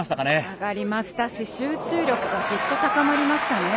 上がりましたし、集中力がグッと高まりました。